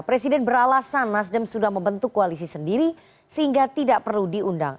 presiden beralasan nasdem sudah membentuk koalisi sendiri sehingga tidak perlu diundang